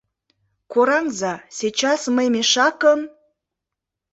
Кораҥза, сейчас мый мешакым...